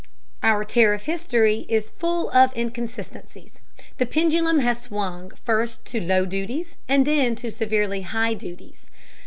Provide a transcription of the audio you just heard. Our tariff history is full of inconsistencies. The pendulum has swung first to low duties and then to severely high duties.